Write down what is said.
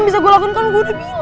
bisa diem gak lu bisa diem gak